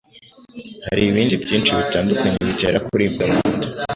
hari n'ibindi byinshi bitandukanye bitera kuribwa mu nda